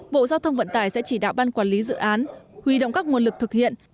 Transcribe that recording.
bộ giao thông vận tải sẽ chỉ đạo ban quản lý dự án huy động các nguồn lực thực hiện